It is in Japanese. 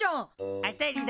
当たりだ。